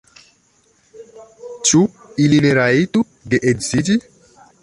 Ĉu ili ne rajtu geedziĝi?